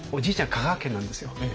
香川県なんですよ。